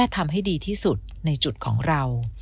ทำให้ดีที่สุดในจุดของเรา